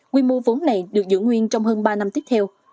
quy mô vốn này được giữ nguyên trong hơn ba năm tiếp theo